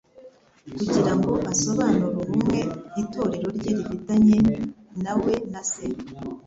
kugira ngo asobanure ubumwe itorero rye rifitanye na we na Se,